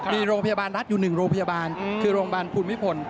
มีโรงพยาบาลรัฐอยู่๑โรงพยาบาลคือโรงพยาบาลภูมิพล